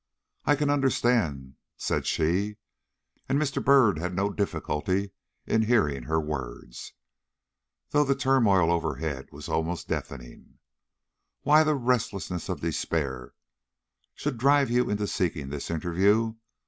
"I can understand," said she, and Mr. Byrd had no difficulty in hearing her words, though the turmoil overhead was almost deafening, "why the restlessness of despair should drive you into seeking this interview.